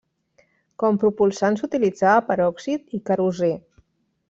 Com propulsants utilitzava peròxid i querosè.